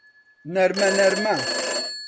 نەرمە نەرمە